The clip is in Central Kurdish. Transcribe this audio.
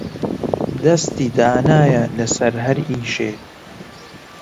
دەستی دانایە لەسەر هەر ئێشێ